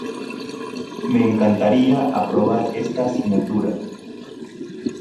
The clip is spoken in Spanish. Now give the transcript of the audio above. Me encantaría aprobar esta asignatura.